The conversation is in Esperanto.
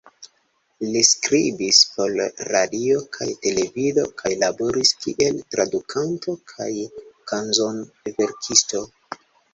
Li skribis por radio kaj televido kaj laboris kiel tradukanto kaj kanzon-verkisto.